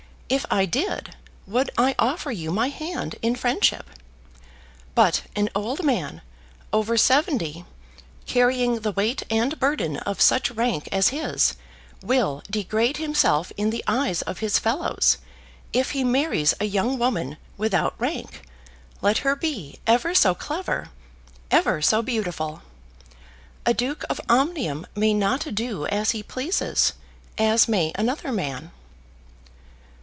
If I did, would I offer you my hand in friendship? But an old man, over seventy, carrying the weight and burden of such rank as his, will degrade himself in the eyes of his fellows, if he marries a young woman without rank, let her be ever so clever, ever so beautiful. A Duke of Omnium may not do as he pleases, as may another man."